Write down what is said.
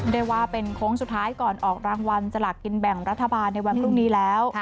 ได้ว่าเป็นโค้งสุดท้ายก่อนออกรางวัลสลากกินแบ่งรัฐบาลในวันพรุ่งนี้แล้ว